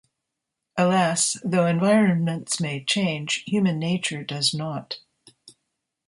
Alas, though environments may change, human nature does not.